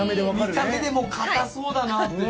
見た目でもう硬そうだなっていう。